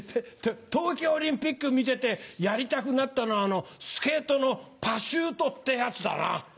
冬季オリンピック見ててやりたくなったのはスケートのパシュートってやつだな。